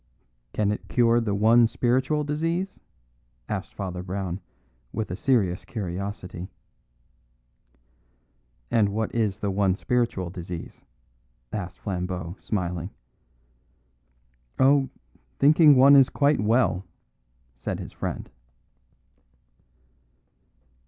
"Can it cure the one spiritual disease?" asked Father Brown, with a serious curiosity. "And what is the one spiritual disease?" asked Flambeau, smiling. "Oh, thinking one is quite well," said his friend.